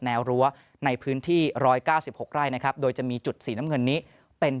วรั้วในพื้นที่๑๙๖ไร่นะครับโดยจะมีจุดสีน้ำเงินนี้เป็น